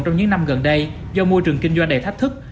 trong những năm gần đây do môi trường kinh doanh đầy thách thức